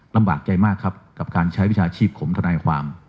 ลำบากใจมากครับกับการใช้วิชาชีพของทนายความ